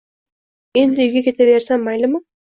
Endi uyga ketaversam maylimi